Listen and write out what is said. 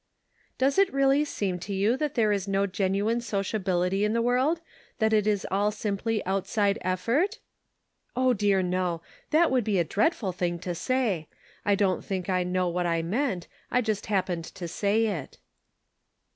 "Does it really seem to you that there is no genuine sociability in the world ; that it is all simply outside effort?" " Oh, dear, no ! That would be a dreadful thing to say. I don't think I know what I meant. I just happened to say it."